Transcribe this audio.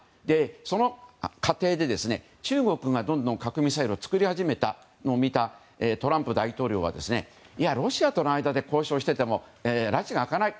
その過程で中国がどんどん核ミサイルを作り始めたのを見たトランプ大統領はロシアとの間で交渉していてもらちが明かない。